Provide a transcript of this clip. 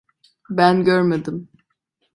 Ben görmedim.